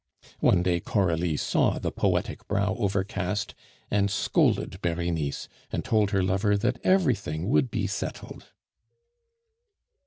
One day Coralie saw the poetic brow overcast, and scolded Berenice, and told her lover that everything would be settled.